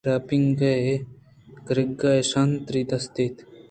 شپانک ءَ گُرک ءِ اے ناشَری کہ دیست